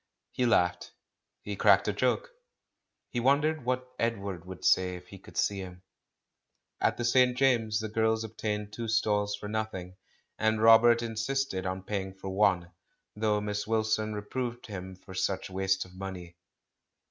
He laughed. He cracked a joke. He wondered what Edward would say if he could see him. At the St. James's the girls obtained two stalls for nothing, and Robert insisted on paying for one, though Miss Wilson reproved him for such waste of money.